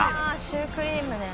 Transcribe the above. シュークリームね。